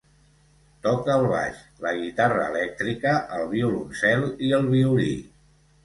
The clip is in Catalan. Toca el baix, la guitarra elèctrica, el violoncel i el violí.